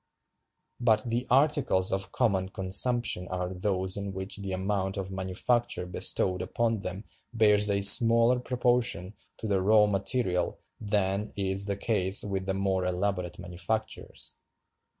But the articles of common consumption are those in which "the amount of manufacture bestowed upon them bears a smaller proportion to the raw material than is the case with the more elaborate manufactures.